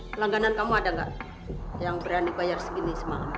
pelangganan kamu ada nggak yang berani bayar segini semua